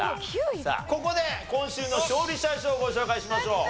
さあここで今週の勝利者賞をご紹介しましょう。